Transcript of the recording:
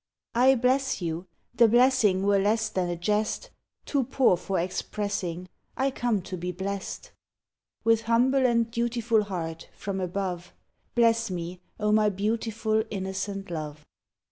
I bless you? the blessing Were less than a jest Too poor for expressing; I come to be blest, With humble and dutiful Heart, from above: Bless me, O my beautiful Innocent love!